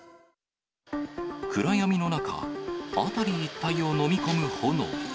暗闇の中、辺り一帯を飲み込む炎。